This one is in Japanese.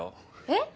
えっ？